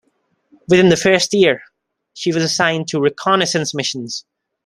Within the first year, she was assigned to reconnaissance missions.